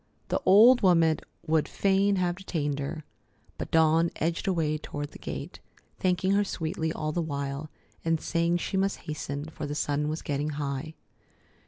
The old woman would fain have detained her, but Dawn edged away toward the gate, thanking her sweetly all the while, and saying she must hasten, for the sun was getting high.